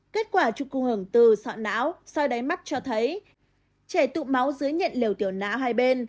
kết quả trục cung hưởng từ sọ não soi đáy mắt cho thấy trẻ tụ máu dưới nhện liều tiểu não hai bên